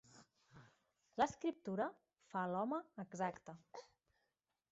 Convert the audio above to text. L'escriptura fa l'home exacte